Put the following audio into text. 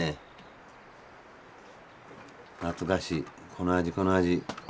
この味この味。